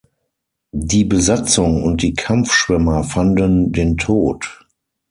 Die Besatzung und die Kampfschwimmer fanden den Tod.